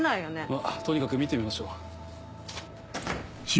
まぁとにかく見てみましょう。